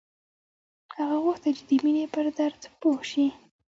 هغه غوښتل چې د مینې پر درد پوه شي